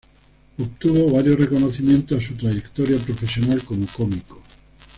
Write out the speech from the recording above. Obtuvo varios reconocimientos a su trayectoria profesional como cómico.